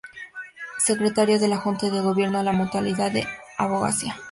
Secretario de la Junta de Gobierno de la Mutualidad de la Abogacía.